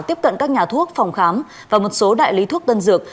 tiếp cận các nhà thuốc phòng khám và một số đại lý thuốc tân dược